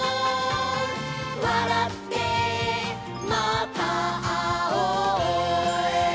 「わらってまたあおう」